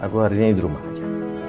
aku harinya di rumah aja